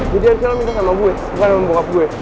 jadi arsya lo minta sama gue bukan sama bokap gue